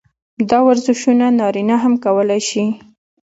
دا ورزشونه نارينه هم کولے شي -